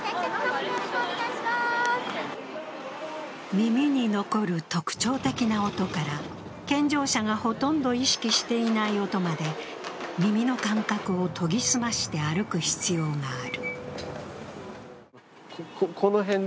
耳に残る特徴的な音から、健常者がほとんど意識していない音まで耳の感覚を研ぎ澄まして歩く必要がある。